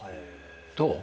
どう？